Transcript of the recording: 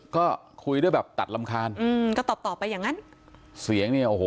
ก็คุยด้วยแบบตัดรำคาญอืมก็ตอบต่อไปอย่างงั้นเสียงเนี่ยโอ้โห